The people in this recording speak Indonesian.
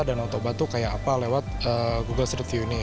dan danau toba itu kayak apa lewat google street view ini